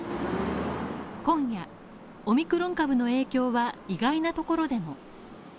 今夜、オミクロン株の影響は意外なところでも。